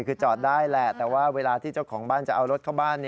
คือจอดได้แหละแต่ว่าเวลาที่เจ้าของบ้านจะเอารถเข้าบ้าน